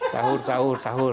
sahur sahur sahur